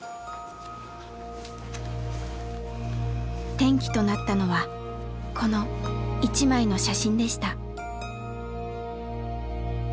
転機となったのはこの一枚の写真でした。